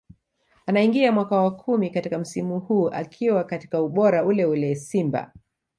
Anaingia mwaka wa kumi katika msimu huu akiwa katika ubora ule ule Simba